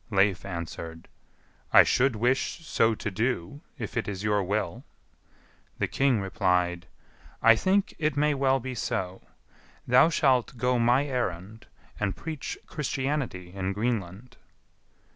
Leif answered, "I should wish so to do, if it is your will." The king replied, "I think it may well be so; thou shalt go my errand, and preach Christianity in Greenland."